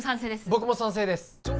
僕も賛成です